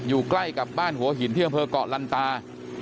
อยู่ใกล้กับบ้านหัวหินที่อำเภอกเกาะลันตา